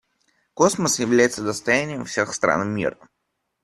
Космос является достоянием всех стран мира.